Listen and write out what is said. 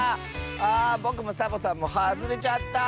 あぼくもサボさんもはずれちゃった。